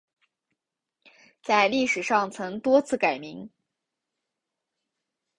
在历史上曾多次改名。